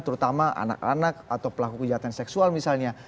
terutama anak anak atau pelaku kejahatan seksual misalnya